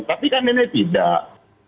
tapi kan ini tidak